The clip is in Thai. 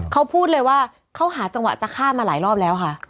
เขาพูดเลยว่าเขาหาจังหวะจะฆ่ามาหลายรอบแล้วค่ะ